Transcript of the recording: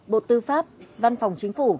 bộ tư pháp văn phòng chính phủ